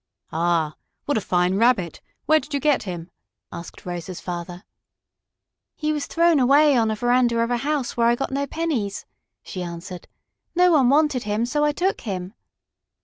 "Ah, what a fine Rabbit! Where did you get him?" asked Rosa's father. "He was thrown away on a veranda of a house where I got no pennies," she answered. "No one wanted him, so I took him."